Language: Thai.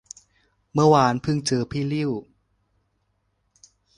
เมื่อวานเพิ่งเจอพี่ลิ่ว